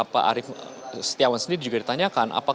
pak arief setiawan sendiri juga ditanyakan